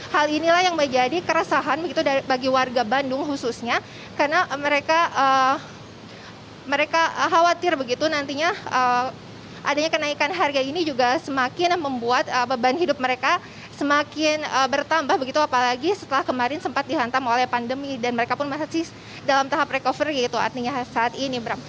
hal inilah yang menjadi kerasahan begitu bagi warga bandung khususnya karena mereka khawatir begitu nantinya adanya kenaikan harga ini juga semakin membuat beban hidup mereka semakin bertambah begitu apalagi setelah kemarin sempat dihantam oleh pandemi dan mereka pun masih dalam tahap recovery gitu artinya saat ini